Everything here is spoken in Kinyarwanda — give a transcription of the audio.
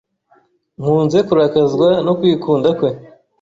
Nkunze kurakazwa no kwikunda kwe.